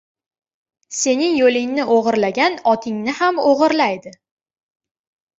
• Sening yo‘lingni o‘g‘irlagan otingni ham o‘g‘irlaydi.